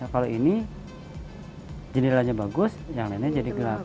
kalau ini jendelanya bagus yang lainnya jadi gelap